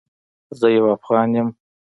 زه یو افغان یم